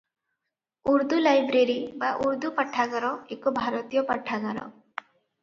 Urdu library ବା ଉର୍ଦ୍ଦୁ ପାଠାଗାର ଏକ ଭାରତୀୟ ପାଠାଗାର ।